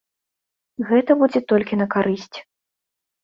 Гэта будзе толькі на карысць.